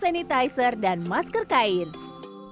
saya juga pakai kain yang berbentuk seperti ini